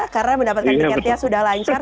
karena mendapatkan tiketnya sudah lancar